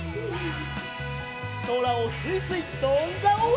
そらをスイスイとんじゃおう！